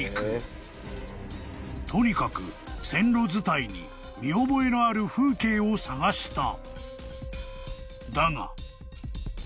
［とにかく線路づたいに見覚えのある風景を探した］